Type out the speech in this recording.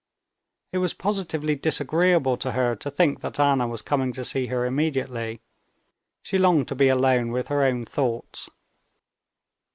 It was positively disagreeable to her to think that Anna was coming to see her immediately. She longed to be alone with her own thoughts.